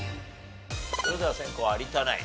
それでは先攻有田ナイン